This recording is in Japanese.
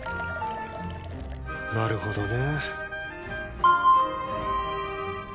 なるほどね。